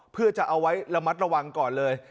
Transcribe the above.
เพื่อจะเอาไว้ระมัดระวังก่อนเลย